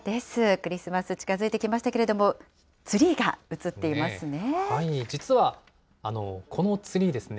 クリスマス、近づいてきましたけれども、ツリーが映っていますね。